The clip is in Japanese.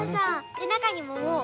でなかにももう。